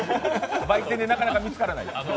売店でなかなか見つからない。